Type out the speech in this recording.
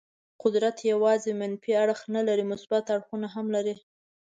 قدرت یوازې منفي اړخ نه لري، مثبت اړخونه هم لري.